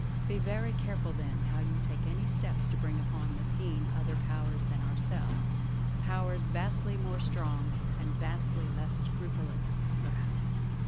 Be very careful, then, how you take any steps to bring upon the scene other powers than ourselves; powers vastly more strong, and vastly less scrupulous perhaps."